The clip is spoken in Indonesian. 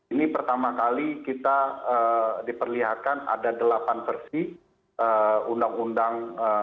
ini pertama kali kita diperlihatkan ada delapan versi undang undang